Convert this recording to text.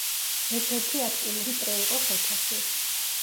ერთ-ერთი აქტიური წრე იყო ხეთაში.